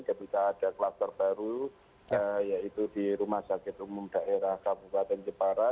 ketika ada kluster baru yaitu di rumah sakit umum daerah kabupaten jepara